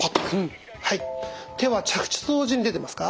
手は着地と同時に出てますか？